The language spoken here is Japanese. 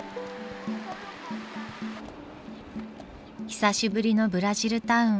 久しぶりのブラジルタウン。